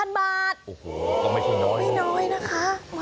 มันไม่จริงนะคะ